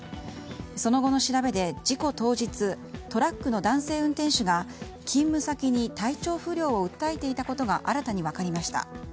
その後の調べで事故当日トラックの男性運転手が勤務先に体調不良を訴えていたことが新たに分かりました。